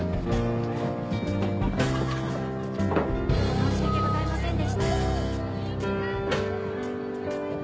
申し訳ございませんでした。